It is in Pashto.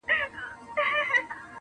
خدایه ما خپل وطن ته بوزې!